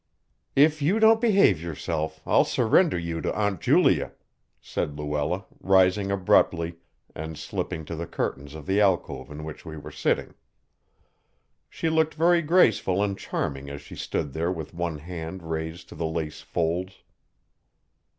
"If you don't behave yourself, I'll surrender you to Aunt Julia," said Luella, rising abruptly and slipping to the curtains of the alcove in which we were sitting. She looked very graceful and charming as she stood there with one hand raised to the lace folds.